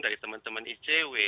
dari teman teman icw